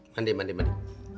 mandi mandi mandi